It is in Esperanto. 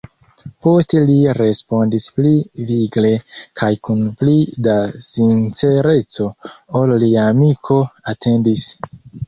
Poste li respondis pli vigle kaj kun pli da sincereco, ol lia amiko atendis: